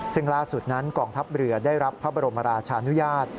ซึ่งล่าสุดนั้นกองทัพเรือได้รับพระบรมราชานุญาต